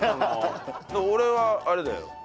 俺はあれだよ。